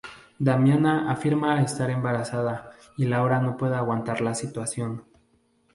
Damiana, afirma estar embarazada y Laura no puede aguantar la situación.